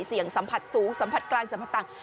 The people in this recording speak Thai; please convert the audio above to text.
สัมผัสสูงสัมผัสกลางสัมผัสต่าง